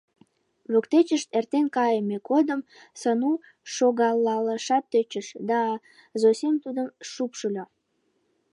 Воктечышт эртен кайыме годым Сану шогалалашат тӧчыш, да Зосим тудым шупшыльо: